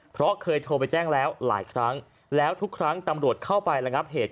เพราะเคยโทรไปแจ้งแล้วหลายครั้งแล้วทุกครั้งตำรวจเข้าไประงับเหตุ